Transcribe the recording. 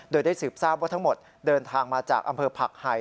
โดยได้สืบทราบว่าทั้งหมดเดินทางมาจากอำเภอผักไห่